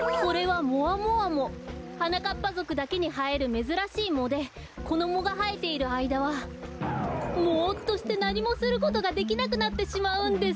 はなかっぱぞくだけにはえるめずらしいもでこのもがはえているあいだはもっとしてなにもすることができなくなってしまうんです！